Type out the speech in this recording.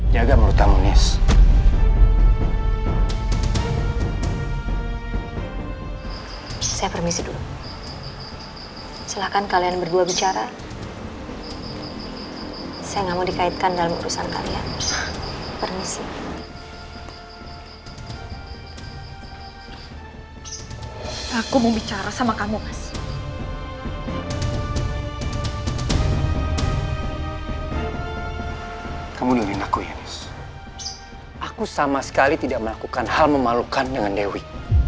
jangan lupa like share dan subscribe channel ini